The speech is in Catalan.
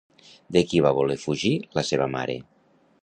De qui va voler fugir la seva mare?